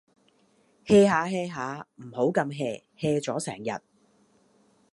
hea 吓 hea 吓，唔好咁 hea，hea 咗成日